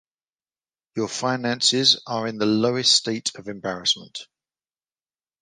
Your finances are in the lowest state of embarrassment.